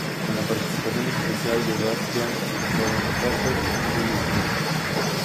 Con la participación especial de Bastián Bodenhöfer y Julio Jung.